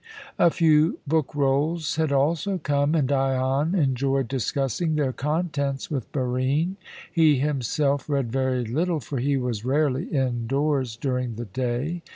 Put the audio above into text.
A few book rolls had also come, and Dion enjoyed discussing their contents with Barine. He himself read very little, for he was rarely indoors during the day.